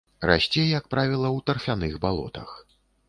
Расце, як правіла, у тарфяных балотах.